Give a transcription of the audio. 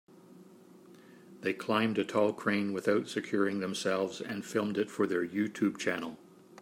They climbed a tall crane without securing themselves and filmed it for their YouTube channel.